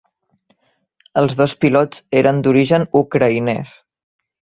Els dos pilots eren d'origen ucraïnès.